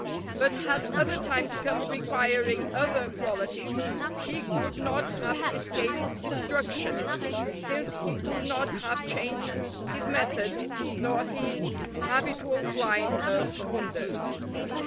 But had other times come requiring other qualities, he could not have escaped destruction, since he could not have changed his methods nor his habitual line of conduct.